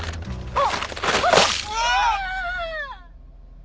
あっ！